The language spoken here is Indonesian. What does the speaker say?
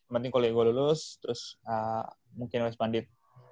mending kuliah gue lulus terus mungkin resmandit